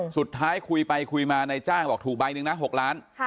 สุดท้ายคุยไปคุยมานายจ้างบอกถูกใบหนึ่งนะ๖ล้าน